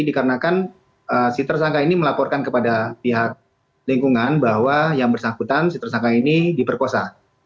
dikarenakan si tersangka ini melaporkan kepada pihak lingkungan bahwa yang bersangkutan si tersangka ini diperkosa